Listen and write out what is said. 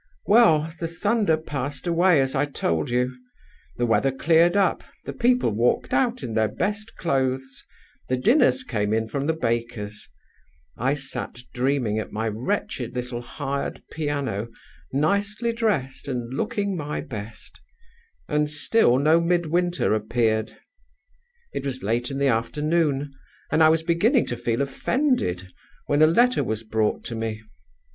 "Well, the thunder passed away as I told you. The weather cleared up; the people walked out in their best clothes; the dinners came in from the bakers; I sat dreaming at my wretched little hired piano, nicely dressed and looking my best and still no Midwinter appeared. It was late in the afternoon, and I was beginning to feel offended, when a letter was brought to me.